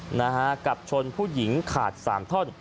นะฮะกับชนผู้หญิงขาดสามท่อน